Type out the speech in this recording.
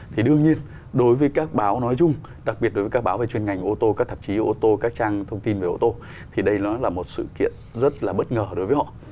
thì đương nhiên đối với các báo nói chung đặc biệt đối với các báo về chuyên ngành ô tô các tạp chí ô tô các trang thông tin về ô tô thì đây nó là một sự kiện rất là bất ngờ đối với họ